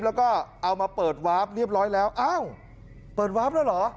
แล้วก็เอามาเปิดวาร์ฟเรียบร้อยแล้วอ้าวเปิดวาร์ฟแล้วเหรอ